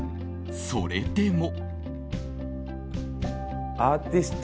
それでも。